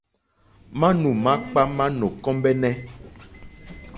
Manù makpà ma nò kombεnε.